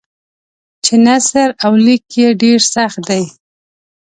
چې نثر او لیک یې ډېر سخت دی.